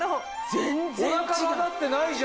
お腹がだってないじゃん。